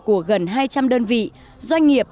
của gần hai trăm linh đơn vị doanh nghiệp